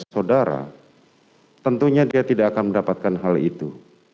saudara tentunya dia tidak akan mendapatkan hal itu